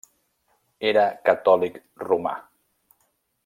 Era catòlic romà.